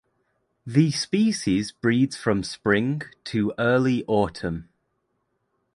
The species breeds from spring to early autumn.